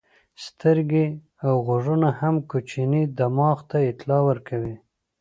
سترګې او غوږونه هم کوچني دماغ ته اطلاعات ورکوي.